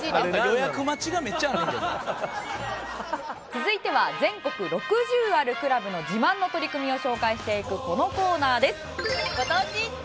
続いては全国６０あるクラブの自慢の取り組みを紹介していくこのコーナーです。